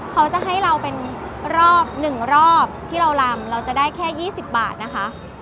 เขาจะให้เราเป็นรอบ๑รอบที่เรารำเราจะได้แค่๒๐บาทนะคะ